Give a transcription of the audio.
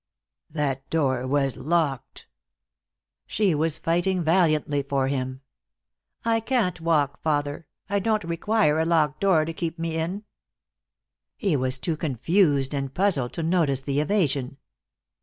"That door was locked." She was fighting valiantly for him. "I can't walk, father. I don't require a locked door to keep me in." He was too confused and puzzled to notice the evasion.